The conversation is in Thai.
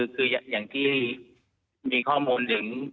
คืออย่างที่มีข้อมูลถึง